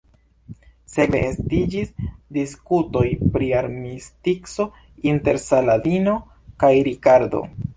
Sekve estiĝis diskutoj pri armistico inter Saladino kaj Rikardo.